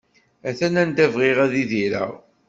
Atan anda bɣiɣ ad idireɣ!